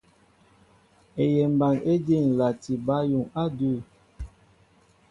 Eyɛmba éjí ǹlati bǎyuŋ á adʉ̂.